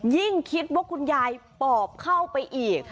ยิ่งคิดว่าคุณยายปอบเข้าไปอีก